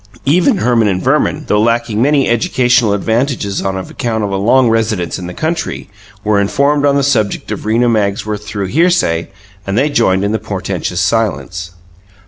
Even Herman and Verman, though lacking many educational advantages on account of a long residence in the country, were informed on the subject of Rena Magsworth through hearsay, and they joined in the portentous silence.